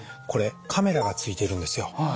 これカメラがついているんですよ。